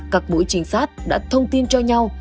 các mũi trinh sát đã thông tin cho nhau